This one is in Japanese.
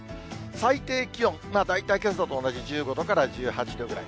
最低気温、大体けさと同じ１５度から１８度ぐらい。